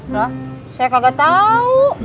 loh saya kagak tahu